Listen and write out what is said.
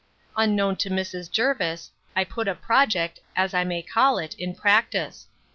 Unknown to Mrs. Jervis, I put a project, as I may call it, in practice.